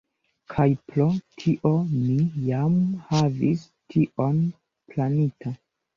Kaj pro tio mi jam havis tion planita.